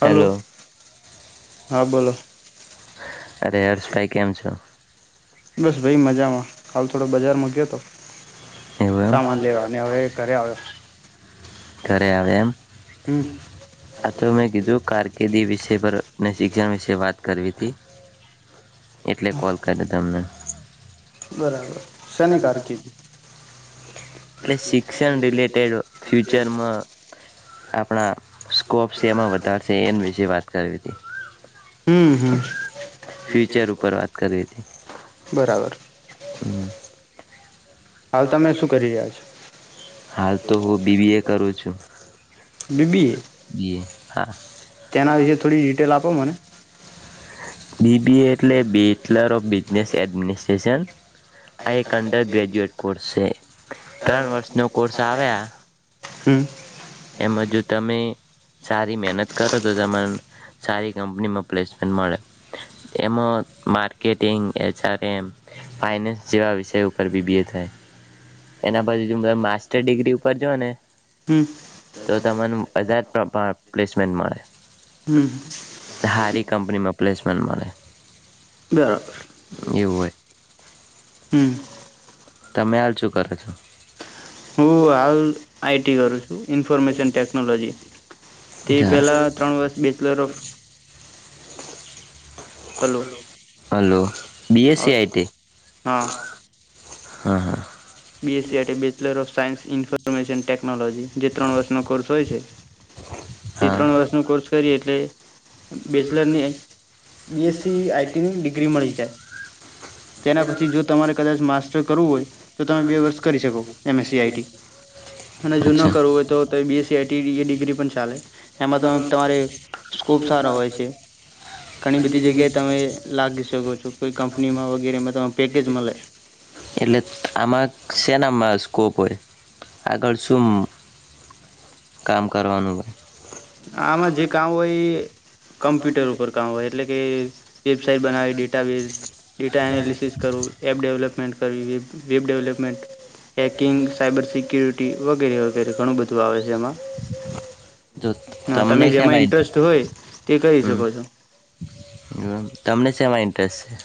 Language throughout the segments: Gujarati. હલો હા બોલો અરે હેરસપાઈ કેમ છો? એવ ઘરે આવે આવે એમ આ તો મેં કીધું કારકિર્દી વિષય પર શિક્ષણ વિશે વાત કરવી હતી એટલે કોલ કર્યો તમને બરાબર શે નિ કારકિર્દી એટલે શિક્ષણ રિલેટેડ ફ્યુચરમાં આપણા સ્કોપ છે એમાં વધારશે એના વિશે વાત કરવી હતી. ફ્યુચર ઉપર વાત કરવી હતી. હમ.. બરાબર હાલ તમે શું કરી રહ્યા છો? હાલ તો હું બી. બી. એ. કરું છું. બી. બી. એ..... હા તેના વિશે [inaudible] બી. બી. એ. એટલે બેચલર ઓફ બિઝનેસ એડમિનિસ્ટ્રેશન. આ એક અંડર ગ્રેજ્યુએટ કોર્સ છે. ત્રણ વર્ષનો. કોર્સ આવે આ હમ એમાં જો તમે સારી મહેનત કરો તો તમને સારી કંપનીમાં પ્લેસમેન્ટ મળે. એમાં marketing, H. R. M., finance જેવા વિષય ઉપર બી. બી. એ. થાય. એના પછી જો માસ્ માસ્ટર ડિગ્રી ઉપર જો ને.. તો તમને બધા જ પ્લેસમેન્ટ મળે. ધારિક કંપનીમાં પ્લેસમેન્ટ મળે.. એવું હોય હમ તમે હાલ શું કરો છો? હું હાલ આઈટી કરું છું. ઇન્ફોર્મેશન ટેકનોલોજી તે પહેલાં ત્રણ વર્ષ bachelor of hello.. hello B. S. C. IT? હા હા બીએસસી એટલે bachelor of science. Information technology જે ત્રણ વર્ષનો કોર્સ હોય છે. તે ત્રણ વર્ષનો કોર્સ કરીએ એટલે.. બેચલરની બીએસસી આઈટીની ડિગ્રી મળી જાય. તેના પછી જો તમારે કદાચ માસ્ટર કરવું હોય... તો તમે બે વર્ષ કરી શકો. એમએસસીઆઈટી અને જો ન કરવું હોય તો બીએસસી આઈટી એ ડિગ્રી પણ ચાલે. એમાં તો તમારે સ્કોપ સારો [inaudible] હોય... એટલે આમાં.. શેનામાં સ્કોપ હોય? આગળ શું કામ કરવાનું હોય? આમાં જે કામ હોય એ... કમ્પ્યુટર ઉપર કામ હોય. એટલે કે વેબસાાઈટ બનાવી, ડેટાબેઝ, ડેટા એનાલિસિસ કરવું, એપ ડેવલપમેન્ટ કરવી, web development, hacking, cyber security, વગેરે વગેરે ઘણું બધું આવે છે એમાં... હા.. તમે જેમાં ઇન્ટરેસ્ટ હોય તે‌. કહી શકો છો.. તમને છે શેમાં ઇન્ટરેસ્ટ છે?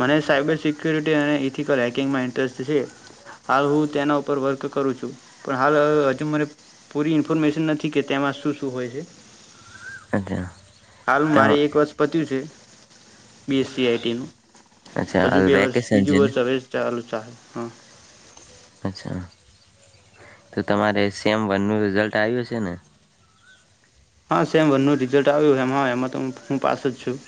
મને સાયબર સિક્યુરિટી અને... ક કર હેકિંગમાં ઇન્ટ્રેરેસ્ટ થ છે હાલ હું તેના ઉપર વર્ક કરું છું પણ હાલ હજુ મને પૂરી ઇન્ફોર્મેશન નથી કે તેમાં શું શું હોય છે હાલ મારે એક વર્ત પત્યું છે બીએસસી આઈટીનું હજુ બે વર્ષ બીજું વર્ષ હવે ચાલુ ચાલ હા અચ્છા તો તમારે સીએમ વનનું રિઝલ્ટ આવ્યું છે ને હા સેમ વનનું રિઝલ્ટ આવ્યું એમ હા એમ તો હું પાસ જ છું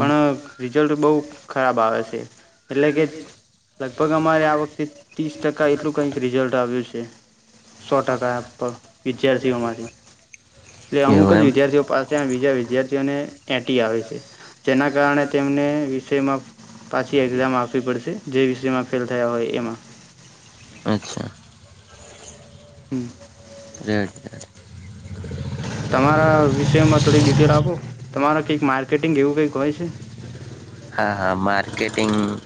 પણ રિઝલ્ટ બહુ ખરાબ આવે છે એટલે કે લગભગ અમારે આ વખતે ત્રીસ ટકા એટલું કંઈક રિઝલ્ટ આવ્યું છે સો ટકા પર વિદ્યાર્થીઓમાંથી એટલે અમુક જ વિદ્યાર્થીઓ પાસે બીજા વિદ્યાર્થીઓને એટી આવે છે તેના કારણે તેમને વિષયમાં પાછી એક્ઝામ આપવી પડશે જે વિષયમાં ફેલ થયા હોય એમાં અચ્છા હમ જ તમારા વિષયમાં થોડી ડિટેલ આપો તમારા કંઈક માર્કેટિંગ એવું કંઈક હોય છે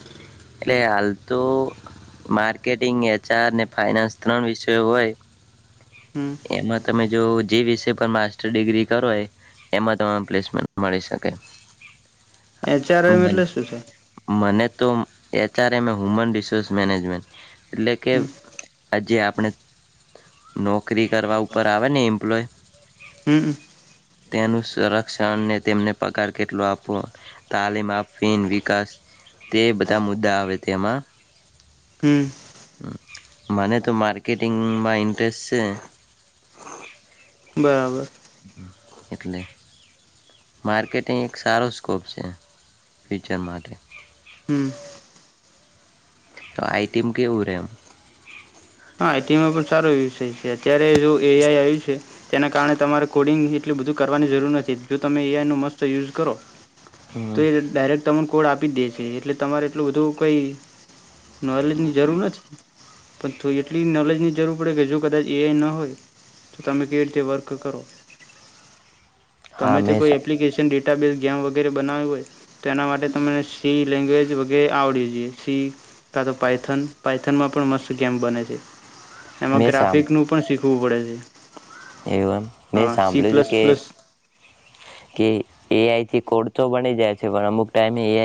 એટલે હાલ તો માર્કેટિંગ એચઆર ને ફાઈનાન્સ ત્રણ વિષયો હોય એમાં તમે જો જે વિષ પર માસ્ટર ડિગ્રી કરોય એમાં તમામ પ્લેસમેન્ટ મળી શકે મને તો એ હ્યુમન રિસોર્સ મેનેજમેન્ટ એટલે કે આજે આપ આપણે નોક નોકરી કરવા ઉપર આવે ને એમ્પ્લોય તેનું સંરક્ષણને તેમને પગાર કેટલો આપો તાલીમ અફીન વિકાસ તે બધા મુદ્દા આવે તેમાં હમ હમ મને તો માર્કેટિંગમાં ઇન્ટરેસ્ટ છે બરાબર એટલે માર્કેટિંગ એક સારો સ્કોપ છે ફ્યુચર માટે હમ તો આઈટીીમ ક ઉ રેમ હા આઈટીમાં પણ સારો યુઝ થાય છે અત્યારે જો એઆઈ આવ્યું છે તેના કારણે તમારે કોડિંગ એટલું બધું કરવાની જરૂર નથી જો તમે એઆઈનો મસ્ત યુઝ કરો તો એ ડાયરેક્ટ તને કોડ આપ આપી દે છે એટલે તમારે એટલું બધું કોઈ નોલેજ ની જરૂર નથી તો એટલી નોલેજ ની જરૂર પડે કે જો કદાચ એ ન હોય ત તામેકેડતે વર્ક કરો તમે તો કોઈ એપ્લિકેશન ડે સાબઝ ગેમ વગેરે બનાવ્યું હોય તો એના માટે તમને સી લેંગ્વેજ વગેરે આવડી જ જે શી કા તો પાઇથન પઇથનમાં પણ મસ્ત બને છે એમાં ગ્રાફિક નું પણ શીખવું પડે છે સી પ્લસ પ્સ કે એ આઈથી કોડચો બની જાય છે પણ અમુક ટાઈમે એ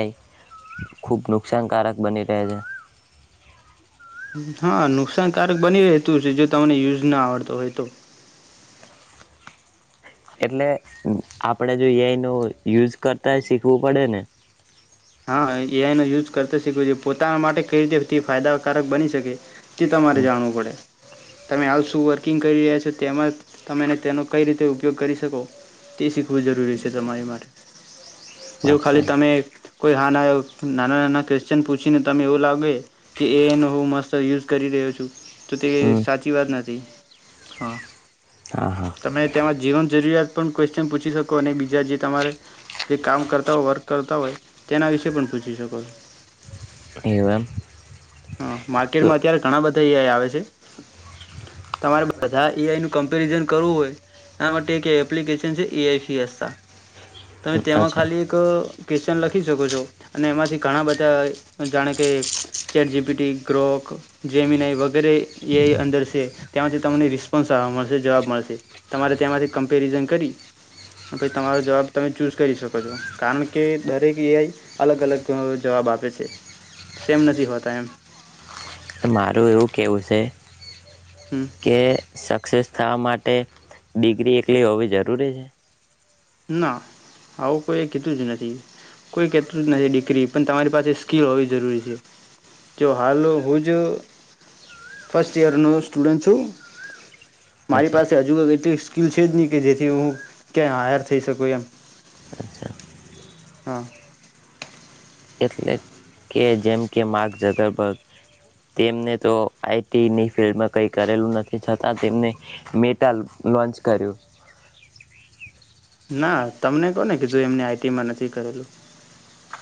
ખુબ નુકસાનકારક બની રહે છે હા નુકસાનકારક બની રહેતું છે જો તમને યુઝ ના આવડતો હોય તો એટલે આપણેે જો એનો યુઝ કરતા શીખવું પડે ને હા એઆઈ નો યુઝ કરતો શીખવું છે પોતાના માટે કઈ રીતે ફાયદાકારક બની શકે તે તમારે જાણવું પડે તમે આવશો વર્કિંગ કરી રહ્યા છો તેમાં તમેને તેનો કઈ રીતે ઉપયોગ કરી શકો તે શીખવું જરૂરી છે તમારી માટેરે જો ખાલી તમે નાના નાના ક્ન પૂછીને ત એવું લાગે કે એ હું મત યુઝ કરી રહ્યો છું તો તે સાચી વાત નથી તેમાં જીવન જરૂરિયાત પણ ક્વેશ્ચન પૂછી શકો અને બીજા જે તમારે જે કામ કરતા હોય વર્ક કરતા હોય તેના વિશે પણ પૂછી શકો છો એવ હા માર્કેટમાં અત્યારે ઘણા બધા એઆઈ આવે છે તમારે બધા એઆઈનું કમ્પેરિઝન કરવું હોય એના માટે એક એપ્લિકેશન છે એઆઈ ફીસતા તમે તેમાં ખાલી એક ક્વેશ્ચન લખી શકો છો અને એમાંથી ઘણા બધા જાણે કે ચેટ જીપીટી ગ્રોક જેમ નઆઈ વગેરે એઆઈ અંદર છે તેમાંથી તમને રિસ્પોન્સવા મળશે જવાબ મળશે તમારે તેમાંથી કમ્પેરિઝન કરી પછી તમારો જવાબ તમે ચૂઝ કરી શકો છો કારણ કે દરેક એઆઈ અલગ અલગ જવાબ આપે છે સેમ નથી હોતા ટમ મારું એવું કહેવું છે કે સાક્સેસ શા માટે ડિગ્રી એકલી હોવી જરૂરી છે ના આવું કોઈ કીધું જ નથી કોઈ કતું જ નથી દીકરી પણ તમારી પાસે સ્કીિલ હોવી જરૂરી છે જો હાલ હું જ ફર્સ્ટ યયર નુ સ્ટુડન્ટ છું મારી પાસે હજુ એટલી સ્કીિલ છે જ નહી કે જેથી હું ક્યાં હાયર થ થઈ શકું એમ હા. એટલે કે જેમ કે માગ જઝગરભગ તેમને તો આઈટીની ફિલ્ડમાં કંઈ કરેલું નથી છતાં તેમને મેટા લોન્ચ કર્યું. ના તમને કોને કિઘુ એમની આ ખ તેમાં નથી કરેલું.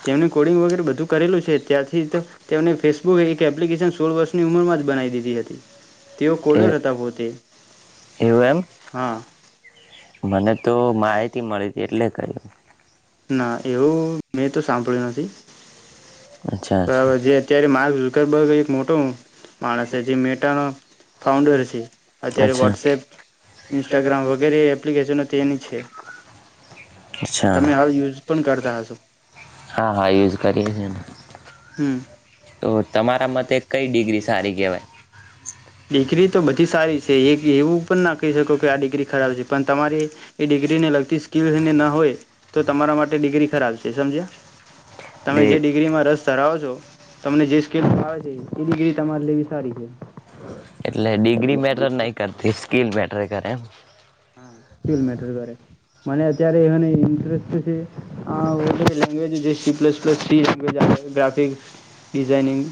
તેમણે કોડિંગ વગેરે બધું કરેલું છે ત્યાારથી તો તેમને ફેસબુક એક એપ્લિકેશન સોળ વર્ષની ઉંમરમાં જ બનાવી દીધી હતી તેઓ કોડર હતા પોતે હા માહિતી મળી હતી એટલે ક [inaudible] ના એવું મે તો સાંભળ્યું નથી. અચ્છા અચ્છા [inaudible] [unintelligible] અચ્છા ઈન્સ્ટાગ્રામ હા હા એવું જ [inaudible] તો તમારા મતે કઈ ડિગ્રી સારી કેહેવાય. ડિગ્રી તો બધી સારી છે એ એવું પણ ના કહી શકો કે આ ડિગ્રી ખરાબ છે પણ તમારી એ ડિગ્રીને લગતી સ્કીલને ના હોય તો તમારા માટે ડિગ્રી ખરાબ છે સમજ્યા તમે જે ડિગ્રીમાં રસ ધરાવો છો તમને જે સ્કેલ આવે છે એ ડિગ્રી તમારી તેવી સાડી છે. એટલે ડિગ્રી મેટર નહી કરતી. સ્કિલ મેટર કરે એમ. હા, સ્કીલ મેટર કરે. મને અત્યારે એનું [unintelligible] હા [inaudible] લેન્ગવેજ પ્લસ પ્લસ થીમ જ [unintelligible] ગ્રાફિક્સ ડિઝાઇનિંગ.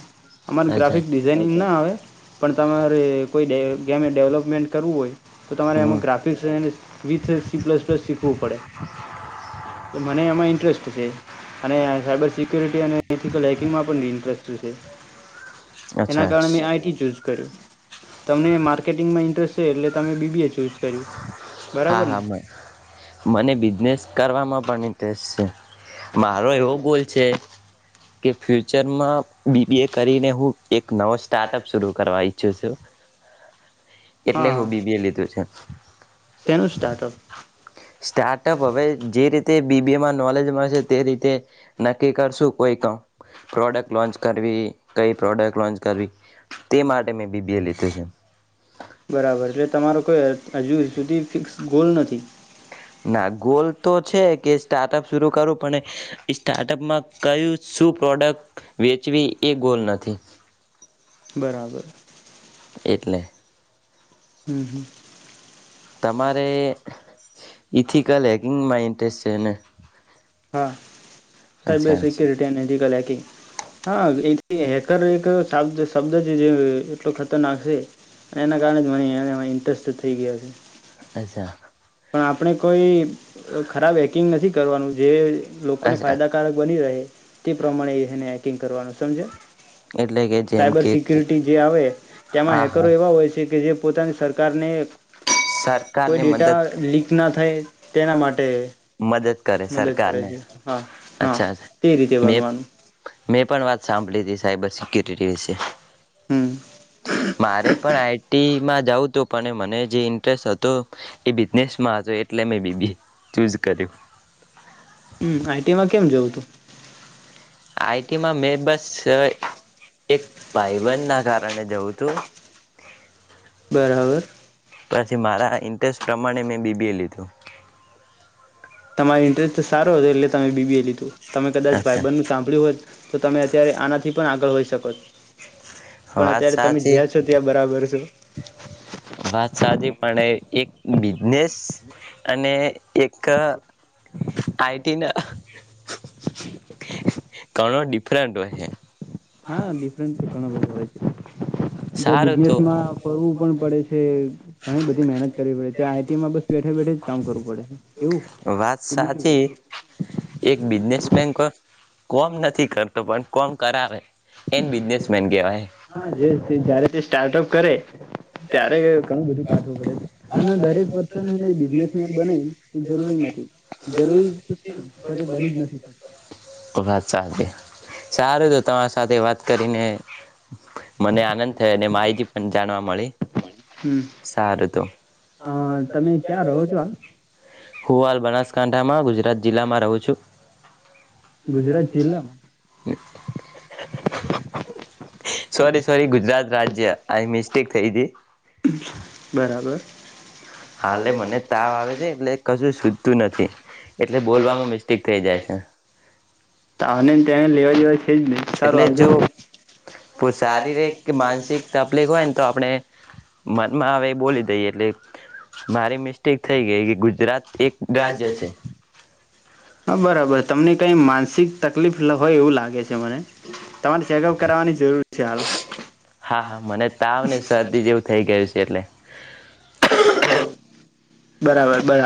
અમારે ગ્રાફિક ડિઝાઇનિંગ ના આવે. પણ તમારે કોઈ ગેમ ડેવલપમેન્ટ કરવું હોય તો તમારે એમાં graphic [inaudible] with C plus plus શીખવું પડે. કે મને એમાં ઇન્ટરેસ્ટ છે. અને સાયબર સિક ક્યુરિટી અને એથીકલ હેકિંગમાં પણ ઇન્ટરેસ્ટ છે. એના કારણે મે આઈટી ચૂઝ કરું. તમને માર્કેટિંગમાં ઇન્ટરેસ્ટ છે. એટલે તમે બીબીએ ચૂઝ કર્યું. હા હા મ મને બિઝનેસ કરવા માં પણ ટેસ છે. મારો એવો ગોલ છે કે ફ્યુચરમાં બીબીએ કરીને હું એક નવો સ્ટાર્ટઅપ શરૂ કરવા ઈચ્છું છું. એટલે હું બીબીએ લીધું છે. સ્ટાર્ટઅપ હવે જે રીતે બીબીએમાં નોલેજ મળશે. તે રીતે નક્કી કરશું કોઈ કામ પ્રોડક્ટ લોન્ચ કરવી, કઈ પ્રોડક્ટ લોન્ચ કરવી, તે માટે મેં બીબીએ લી વિઝન. તોય હજુ સુધી ફિક્સ ગોલ નથી. ના ગોલ તો છે કે સ્ટાર્ટઅપ શરુ કરું. પણ સ્ટાર્ટઅપમાં કયું શું પ્રોડક્ટ વેચવી એ ગોલ નથી. બરાબર. એટલે. હમ હમ તમારે ઇથિકલ હેકિંગમાં ઇન્ટરેસ્ટ છે. ને હા સાઇબર સિક્યુરિટી ને એથીકલ હેકિંગ. હા, એક હેકર એક શાબ્દ શબ્દ જ એટલો ખતરનાક છે. એના કારણે [unintelligible] ઇન્ટરેસ્ટ થઈ ગયા છે. અચ્છા. પણ આપણે કોઈ ખરાબ હેકિંગ નથી કરવાનું. જે લોકોને ફાયદાકારક બની રહે તે પ્રમાણે એને કિંગ કરવાનું સમજયા સાયબર સિકુરિટી જે આવે તેમાં હેકરો એવા હોય છે. કે જે પોતાની સરકારને કોઈ ડેટા લીક ના થાય તેના માટે હા, હા, તે રીતે બનવાનું. સાંભળલે દ બસ સ્ક ર છે મારે પણ આઈટી માં જવું તોું પણ મને જે ઇન્ટરેસ્ટ હતો એ બિઝનેસમાં હતો એટલે મેં બીબ ચૂઝ કર્યું હમ આઈટીમાં કેમ જવું તું આમાં મે બસ એક ભાઈન ના કારણે કર બરાબર પછી મારા ઇન્ટરેસ્ટ પ્રમાણે મેં બીબીએ લીધું તમારી ઇન્ટરેસ્ટ તો સાર બ હતો એટલે તમે બીબી એ લીધું તમે કદાચ ભાઈબન નું સાંભળ્યું હોત તો તમે અત્યારે આનાથી પણ આગળ હોય શપત વાત સાચી વાત સાચી પણ એક બિઝનેસ અને એક આઈટી ના ઘણો ડિફરન્ટ હોય છે હા ડિફરન્ટફ છે જ બિઝનેસમાં ફરવું પણ પડે છે ઘણી બધી મહેનત કરવી પડે છે ત્યા આઈટીમાં બસ બેઠે બેઠે જ કામ કરવું પડે છે એવું બજું કોમ નથી કરતો પણ કોમ કરાવે એન બિઝનેસમેન કેવાય જયારે તે સ્ટાર્ટઅપ કરે ત્યારે ઘણું બધું કાઢવું પડે છે અને દરેક પર્સન બિઝનેસમેન બના એ જરૂરી નથી જરૂરી તો છે પણ બની જ નથી શકત સારું તો તમારા સાથે વાત કરીને મને આનંદ થયો અને માહિતી પણ જાણવા મળી સારું તો હું હાલ બનાસકાંઠામાં ગુજરાત જિલ્લામાં રહું છું ગુજરાત છે સોરી સોરી ગુજરાત રાજ્ય આ મિસ્ટેક થઈ હતીી હ બરાબર હાલે મને તાવ આવે છે એટલે કશું સુધતું નથી એટલે બોલવામાં મિસ્ટેક થઈ જાય છે તને લેવા દવા છે એટલે જો શારીરિક કે માનસિક તકલીફ હોય ને તો આપણે મનમાં હ બોલી દઈએ એટલે મારી મિસ્ટેક થઈ ગઈ કે ગુજરાત એક રાજ્ય છે હા બરાબર તમને કઈ માન માનસિક તકલીફ હોય એવું લાગે છે મને હા હા મને તાવ ને શરદી જેવું થઈ ગયું છે એટલે બરાબર બરાબર